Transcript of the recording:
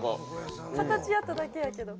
形やっただけやけど。